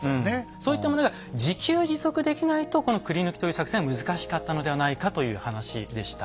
そういったものが自給自足できないとこの繰ヌキという作戦は難しかったのではないかという話でした。